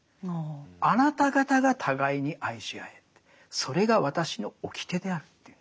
あなた方が互いに愛し合えってそれが私の掟であるって言うんですね。